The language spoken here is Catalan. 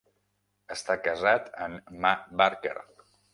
Està casat amb Ma Barker.